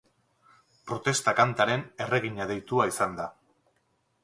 Protesta-kantaren erregina deitua izan da.